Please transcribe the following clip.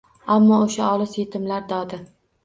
Ammo o’sha olis — yetimlar dodi